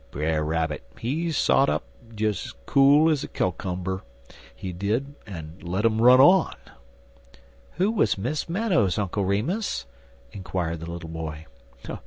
Brer Rabbit, he sot up des ez cool ez a cowcumber, he did, en let em run on. "Who was Miss Meadows, Uncle Remus?" inquired the little boy.